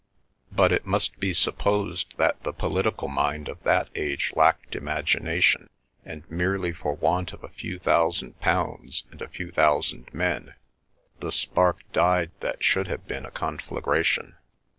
But it must be supposed that the political mind of that age lacked imagination, and, merely for want of a few thousand pounds and a few thousand men, the spark died that should have been a conflagration.